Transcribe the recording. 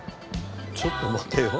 ちょっと待てよ。